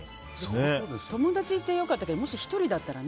友達いてよかったけど１人だったらね